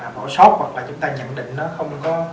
bỏ sót hoặc là chúng ta nhận định nó không có